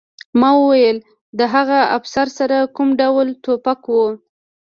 ما وویل د هغه افسر سره کوم ډول ټوپک و